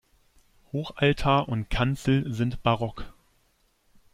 Hochaltar und Kanzel sind barock.